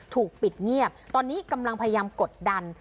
ถูกปิดเงียบตอนนี้กำลังพยายามกดดัน